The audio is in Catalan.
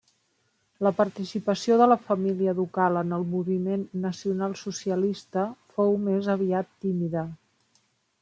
La participació de la família ducal en el moviment nacionalsocialista fou més aviat tímida.